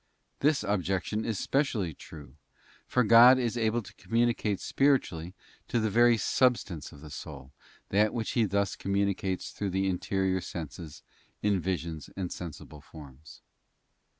This objection is specially true, for God is able to communicate spiritually to the very substance of the soul that which He thus communicates through the interior senses in visions and sensible forms.